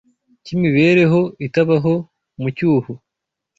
cyimibereho itabaho mu cyuho